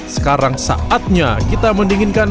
sekarang saatnya kita mendinginkan